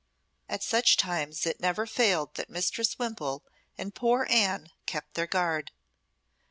At such times it never failed that Mistress Wimpole and poor Anne kept their guard.